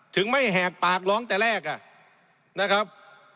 ถึงไม่แหกปากร้องแต่แรกนะครับ